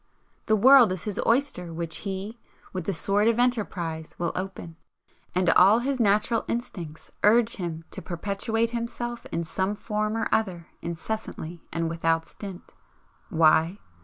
The world is his oyster which he, with the sword of enterprise, will open, and all his natural instincts urge him to perpetuate himself in some form or other incessantly and without stint. Why?